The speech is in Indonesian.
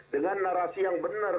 dengan narasi yang benar